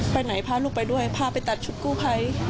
ไปไหนพาลูกไปด้วยพาไปตัดชุดกู้ภัย